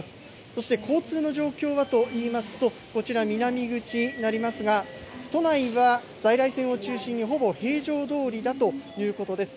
そして交通の状況はといいますと、こちら南口になりますが、都内は在来線を中心にほぼ平常どおりだということです。